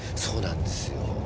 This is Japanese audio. そうなんですよ。